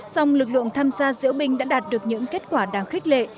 song lực lượng tham gia diễu bình đã đạt được những kết quả đáng khích lệ